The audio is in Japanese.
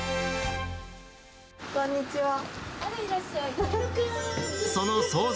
こんにちは。